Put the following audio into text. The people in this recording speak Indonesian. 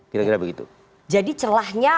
kira kira begitu jadi celahnya